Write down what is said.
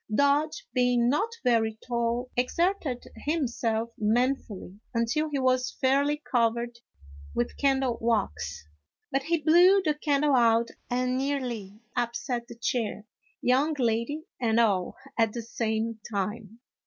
Dodge, being not very tall, exerted himself manfully until he was fairly covered with candle wax, but he blew the can dle out and nearly upset the chair, young lady and all, at the same time.